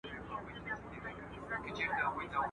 زمری په ځنگلو کي اموخته دئ.